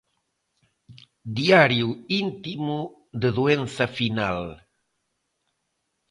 Diario íntimo de doenza final.